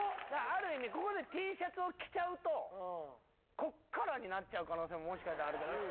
ある意味ここでＴシャツを着ちゃうとこっからになっちゃう可能性もしかしたらあるから。